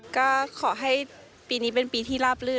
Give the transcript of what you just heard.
ก็ขอให้ปีนี้เป็นปีที่ลาบลื่น